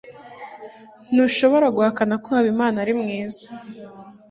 ntushobora guhakana ko habimana ari mwiza